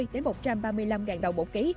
một trăm ba mươi một trăm ba mươi năm đồng một ký